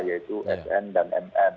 yaitu sn dan mn